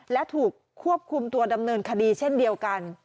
และถูกควบคุมตัวดำเนินคดีเช่นเดียวกัน